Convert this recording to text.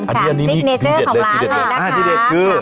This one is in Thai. อันนี้สิกเนเจอร์ของร้านเลยนะคะที่เด็ดคือ